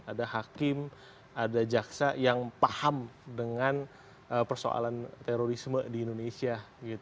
ada hakim ada jaksa yang paham dengan persoalan terorisme di indonesia